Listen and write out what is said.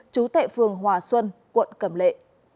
chú tệ phường hòa xuân quận cầm lệ